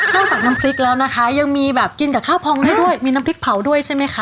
จากน้ำพริกแล้วนะคะยังมีแบบกินกับข้าวพองให้ด้วยมีน้ำพริกเผาด้วยใช่ไหมคะ